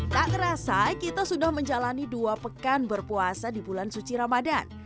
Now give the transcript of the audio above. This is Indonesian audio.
tak ngerasa kita sudah menjalani dua pekan berpuasa di bulan suci ramadan